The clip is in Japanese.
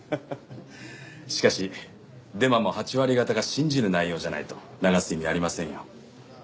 しかしデマも８割方が信じる内容じゃないと流す意味ありませんよ。